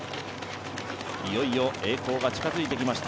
いよいよ栄光が近づいてきました